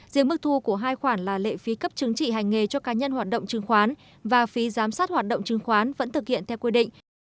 riêng mức thu của hai khoản là lệ phí cấp chứng trị hành nghề cho cá nhân hoạt động chứng khoán và phí giám sát hoạt động chứng khoán vẫn thực hiện theo quy định